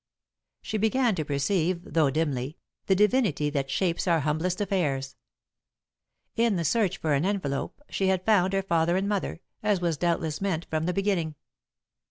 She began to perceive, though dimly, the divinity that shapes our humblest affairs. In the search for an envelope, she had found her father and mother, as was doubtless meant from the beginning.